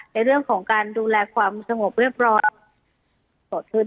ในเรื่องของการดูแลความสงบเรียบร้อย